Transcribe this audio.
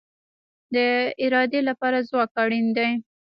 د ارادې لپاره ځواک اړین دی